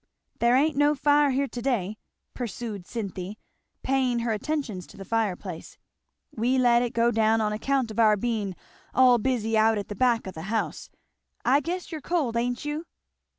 "There ain't no fire here to day," pursued Cynthy, paying her attentions to the fireplace, "we let it go down on account of our being all busy out at the back of the house. I guess you're cold, ain't you?"